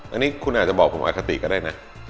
อันนี้คุณอาจจะบอกผมอคติก็ได้นะ